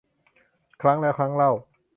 ครั้งแล้วครั้งเล่า